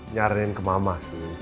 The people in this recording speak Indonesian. nyarin ke mama sih